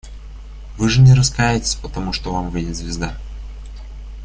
Вы же не раскаетесь, потому что вам выйдет звезда.